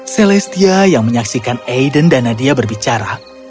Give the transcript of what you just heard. celestia yang menyaksikan aiden dan nadia berbicara